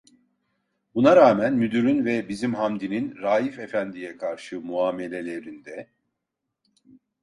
Buna rağmen müdürün ve bizim Hamdi'nin Raif efendiye karşı muamelelerinde: